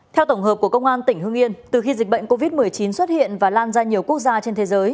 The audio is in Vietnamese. theo tổng hợp của công an tỉnh hương yên từ khi dịch bệnh covid một mươi chín xuất hiện và lan ra nhiều quốc gia trên thế giới